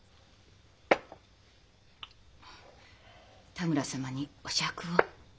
多村様にお酌を。